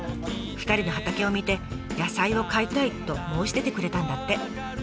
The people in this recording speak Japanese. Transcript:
２人の畑を見て「野菜を買いたい」と申し出てくれたんだって。